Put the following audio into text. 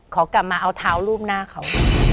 ขอกลับมาเอาเท้ารูปหน้าเขา